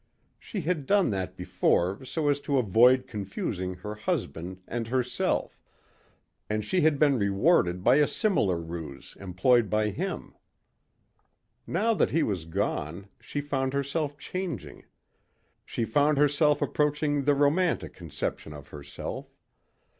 She had done that before so as to avoid confusing her husband and herself and she had been rewarded by a similar ruse employed by him. Now that he was gone she found herself changing. She found herself approaching the romantic conception of herself.